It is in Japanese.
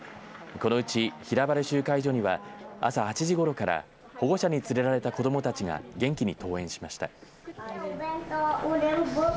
このうち平原集会所には朝８時ごろから保護者に連れられた子どもたちが元気に登園しました。